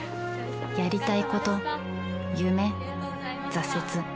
やりたいこと夢挫折。